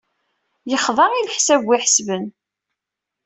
Yexda i lehsab wi ihessben.